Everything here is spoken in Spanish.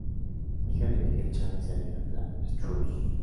Hija de Miguel Chaves y Alejandra Schulz.